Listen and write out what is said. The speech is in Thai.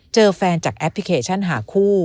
เจอแฟนจากแอปพลิเคชันหาคู่